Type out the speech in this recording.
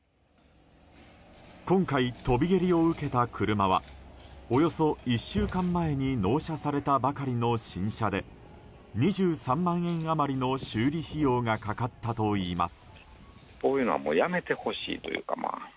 今回、飛び蹴りを受けた車はおよそ１週間前に納車されたばかりの新車で２３万円余りの修理費用がかかったといいます。